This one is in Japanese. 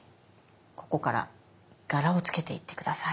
ここから柄をつけていって下さい。